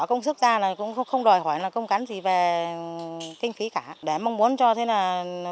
các bộ phòng chống đoàn tạo các bộ phòng chống đoàn tạo